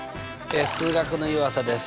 数学の湯浅です。